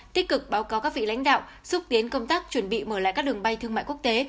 tích cực báo cáo các vị lãnh đạo xúc tiến công tác chuẩn bị mở lại các đường bay thương mại quốc tế